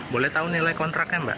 boleh tahu nilai kontraknya mbak